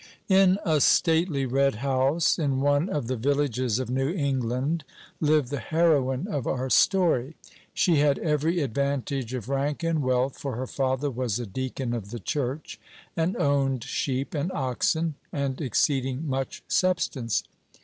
In a stately red house, in one of the villages of New England, lived the heroine of our story. She had every advantage of rank and wealth, for her father was a deacon of the church, and owned sheep, and oxen, and exceeding much substance.